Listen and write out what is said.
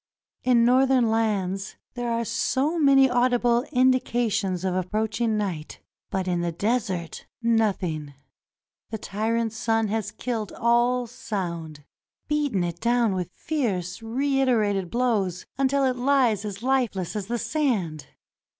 In Northern lands there are so many audible indications of approaching night. But in the desert — nothing. The tyrant sun has killed all sound; beaten it down with fierce, reiterated blows until it lies as lifeless as the sand.